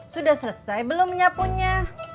sudah selesai belum menyapunya